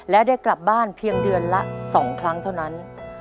และได้กลับบ้านเพียงเดือนละ๒ครั้งเท่านั้น